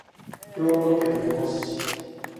兵庫県小野市